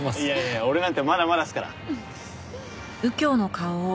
いやいや俺なんてまだまだっすから。